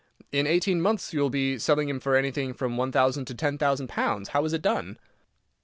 In eighteen months you will be selling him for anything from one thousand to ten thousand pounds. How is it done?"